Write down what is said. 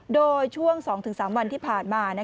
โดยช่วง๒๓วันที่ผ่านมา